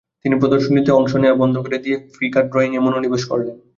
তিনি প্রদর্শনীতে অংশ নেওয়া বন্ধ করে দিয়ে ফিগার ড্রয়িং-এ মনোনিবেশ করলেন।